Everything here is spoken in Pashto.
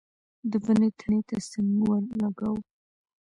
د ونې تنې ته څنګ ولګاوه.